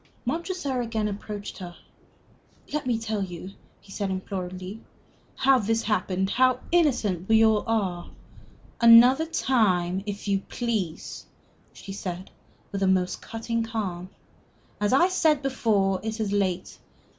Montresor again approached her. "Let me tell you," he said, imploringly, "how this has happened how innocent we all are " "Another time, if you please," she said, with a most cutting calm. "As I said before, it is late.